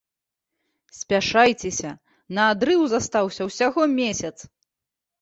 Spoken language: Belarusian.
Спяшайцеся, на адрыў застаўся ўсяго месяц!